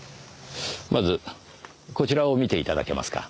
まずこちらを見て頂けますか。